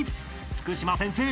［福島先生